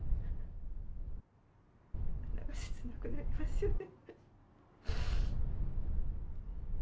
なんか切なくなりますよね。